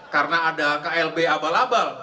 karena ada klb abal abal